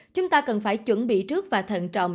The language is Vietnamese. chúng ta cần phải chuẩn bị trước và thận trọng